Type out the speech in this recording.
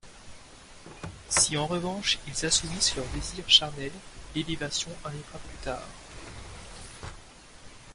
Si en revanche ils assouvissent leur désir charnel, l'élévation arrivera plus tard.